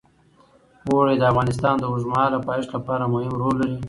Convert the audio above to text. اوړي د افغانستان د اوږدمهاله پایښت لپاره مهم رول لري.